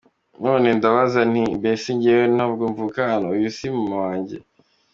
Noneho nkababaza nti : mbese njyewe ntabwo mvuka hano, uyu si we mama wanjye ?